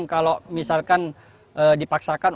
kalau misalkan dipaksakan